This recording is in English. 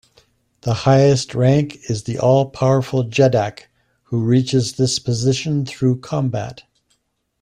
The highest rank is the all-powerful Jeddak, who reaches this position through combat.